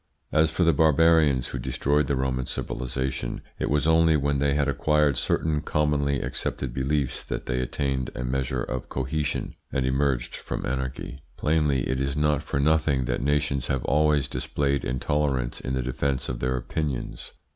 As for the barbarians who destroyed the Roman civilisation, it was only when they had acquired certain commonly accepted beliefs that they attained a measure of cohesion and emerged from anarchy. Plainly it is not for nothing that nations have always displayed intolerance in the defence of their opinions.